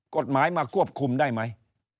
กฎหมายมาควบคุมได้ไหม